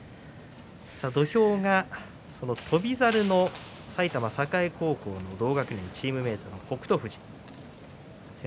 土俵が翔猿の埼玉栄高校の同学年チームメートの北勝富士です。